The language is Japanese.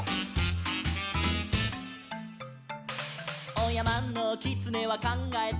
「おやまのきつねはかんがえた」